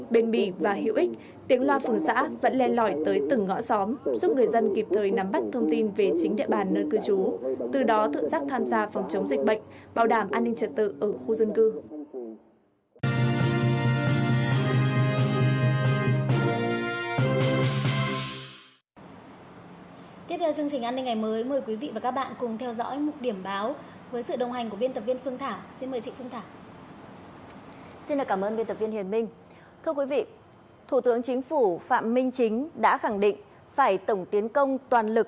bền bì và hữu ích tiếng loa phùng xã vẫn len lõi tới từng ngõ xóm giúp người dân kịp thời nắm bắt thông tin về chính địa bàn nơi cư trú